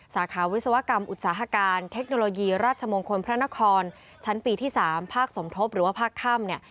สาขาวิศวกรรมอุตสาหกรรมเทคโนโลยีราชมงคลพระนครชั้นปีที่๓ภาคสมทบหรือว่าภาคค่ำเนี่ย